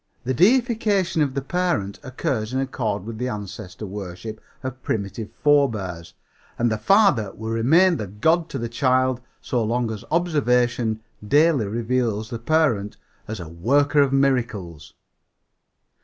The deification of the parent occurs in accord with the ancestor worship of primitive forebears, and the father will remain the god to the child so long as observation daily reveals the parent as a worker of miracles.